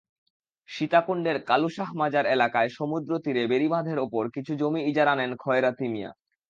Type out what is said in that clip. সীতাকুণ্ডের কালুশাহ মাজার এলাকায় সমুদ্রতীরে বেড়িবাঁধের ওপর কিছু জমি ইজারা নেন খয়রাতি মিয়া।